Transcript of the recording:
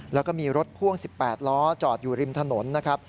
แล้วก็มีรถพ่วง๑๘ล้อจอดอยู่ริมถนนนะครับ